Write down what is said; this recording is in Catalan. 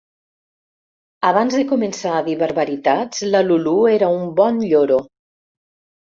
Abans de començar a dir barbaritats la Lulú era un bon lloro.